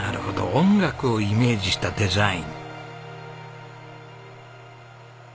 音楽をイメージしたデザイン。